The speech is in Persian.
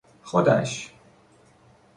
خودش